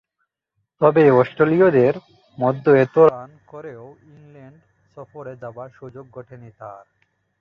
তবে অস্ট্রেলীয়দের মধ্যে এতো রান করেও ইংল্যান্ড সফরে যাবার সুযোগ ঘটেনি তার।